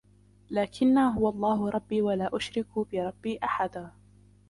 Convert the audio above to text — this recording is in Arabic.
لكنا هو الله ربي ولا أشرك بربي أحدا